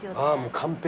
完璧。